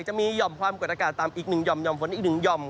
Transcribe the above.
จะมีย่อมความกวดอากาศตามอีกหนึ่งย่อมย่อมฝนอีกหนึ่งย่อม